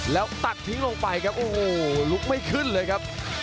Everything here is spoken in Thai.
แล้วตัดทิ้งลงไปครับโอ้โหลุกไม่ขึ้นเลยครับ